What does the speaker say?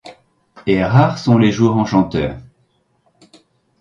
Et rares sont les jours enchanteurs.